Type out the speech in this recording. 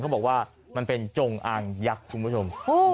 เขาบอกว่ามันเป็นจงอางยักษ์คุณผู้ชม